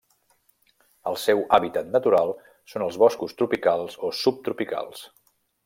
El seu hàbitat natural són els boscos tropicals o subtropicals.